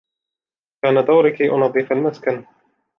كان دوري كي أنظف المسكن